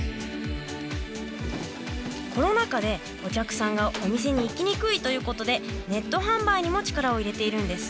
コロナ禍でお客さんがお店に行きにくいということでネット販売にも力を入れているんです。